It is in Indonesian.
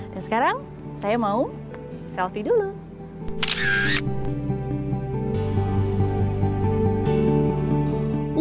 dan sekarang saya mau selfie dulu